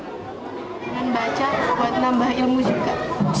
pengen baca buat nambah ilmu juga